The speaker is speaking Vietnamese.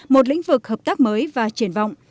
một lĩnh vực hợp tác mới và triển vọng